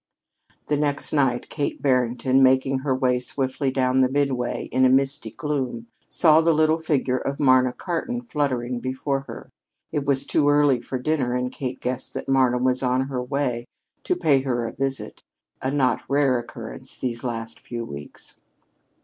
The next night, Kate Barrington, making her way swiftly down the Midway in a misty gloom, saw the little figure of Marna Cartan fluttering before her. It was too early for dinner, and Kate guessed that Marna was on her way to pay her a visit a not rare occurrence these last few weeks.